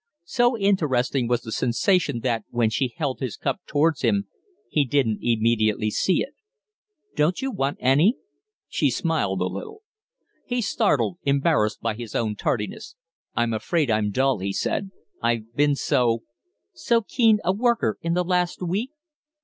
So interesting was the sensation that, when she held his cup towards him, he didn't immediately see it. "Don't you want any?" She smiled a little. He started, embarrassed by his own tardiness. "I'm afraid I'm dull," he said. "I've been so " "So keen a worker in the last week?"